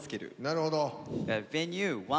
なるほど。